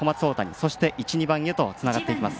そして１、２番へとつながっていきます。